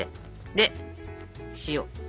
で塩。